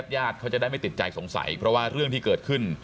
ญาติเขาจะได้ไม่ติดใจสงสัยเพราะว่าเรื่องที่เกิดขึ้น